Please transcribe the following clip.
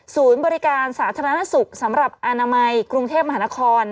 บริการสาธารณสุขสำหรับอนามัยกรุงเทพมหานคร